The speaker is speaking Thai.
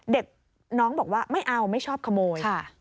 เด็กน้องบอกว่าไม่เอาไม่ชอบขโมย